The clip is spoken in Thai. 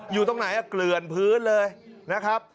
อยู่ตรงไหนเกลือนพื้นเลยนะครับ